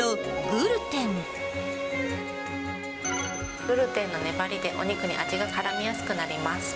グルテンの粘りで、お肉に味がからみやすくなります。